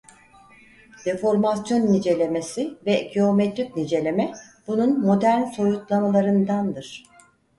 Deformasyon nicelemesi ve geometrik niceleme bunun modern soyutlamalarındandır.